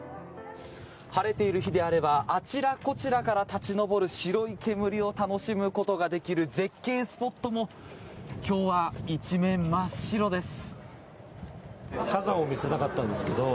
晴れている日であればあちらこちらから立ち上る白い煙を楽しむことができる絶景スポットも今日は一面、真っ白です。